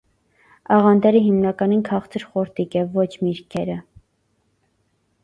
Աղանդերը հիմնականին քաղցր խորտիկ է (ո՛չ միրգերը)։